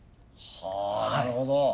はなるほど。